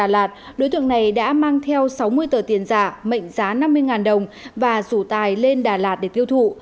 đối tượng này đã mang theo sáu mươi tờ tiền giả mệnh giá năm mươi đồng và rủ tài lên đà lạt để tiêu thụ